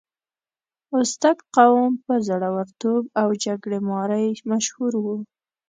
ازتک قوم په زړورتوب او جګړې مارۍ مشهور و.